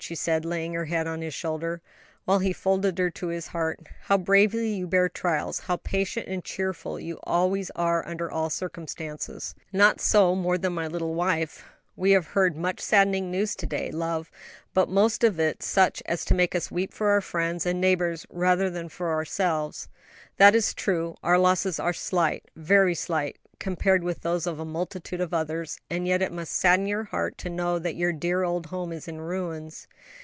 she said, laying her head on his shoulder, while he folded her to his heart, "how bravely you bear trials; how patient and cheerful you always are under all circumstances." "Not more so than my little wife; we have heard much saddening news to day, love; but most of it such as to make us weep for our friends and neighbors rather than for ourselves." "That is true; our losses are slight, very slight, compared with those of multitudes of others; and yet it must sadden your heart to know that your dear old home is in ruins."